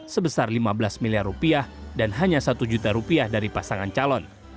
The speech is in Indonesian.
sebesar rp lima belas miliar dan hanya rp satu juta dari pasangan calon